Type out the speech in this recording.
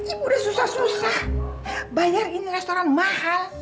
ibu udah susah susah bayar ini restoran mahal